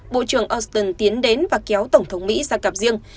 bộ trưởng austin tiến đến và kéo tổng thống mỹ sang cặp riêng